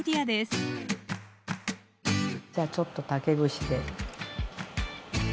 じゃあちょっと竹串で。